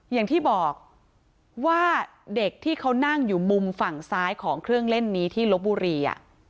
อย่างที่บอกว่าเด็กที่เขานั่งอยู่มุมฝั่งซ้ายของเครื่องเล่นนี้ที่ลบบุรี